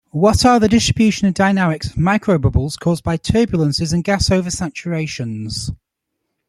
What are the distribution and dynamics of microbubbles caused by turbulences and gas-oversaturations?